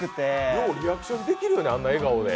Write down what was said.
ようリアクションできるよね、あんな笑顔で。